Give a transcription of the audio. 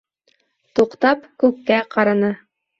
Туҡтап, күккә ҡараны.